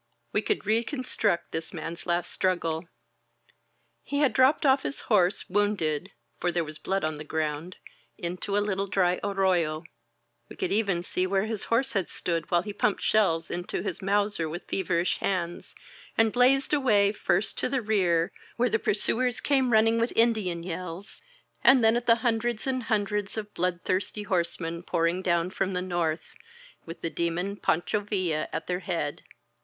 We could reconstruct this man's last struggle. He had dropped off his horse, wounded — for there was blood on the ground — ^into a little dry arroyo. We could even see where his horse had stood while he pumped shells into his Mauser with feverish hands, and blazed away, first to the rear, where the pursuers came 195 INSURGENT MEXICO mnning with Indian yells, and then at the hundreds and hundreds of bloodthirsty horsemen pouring down from the north, with the Demon Pancho Villa at their head.